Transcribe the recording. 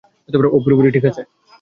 ও পুরোপুরি ঠিক আছে।